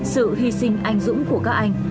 sự hy sinh anh dũng của các anh